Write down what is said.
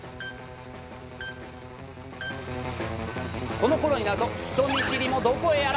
この頃になると人見知りもどこへやら。